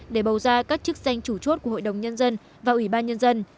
để bầu ra các chức danh chủ chốt của hội đồng nhân dân và ủy ban nhân dân